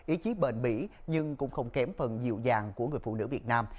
ý chí bền bỉ nhưng cũng không kém phần dịu dàng của người phụ nữ việt nam